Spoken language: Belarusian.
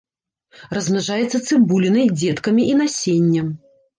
Размнажаецца цыбулінай, дзеткамі і насеннем.